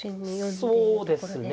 そうですね。